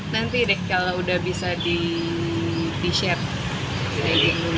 nanti deh kalau udah bisa di share trading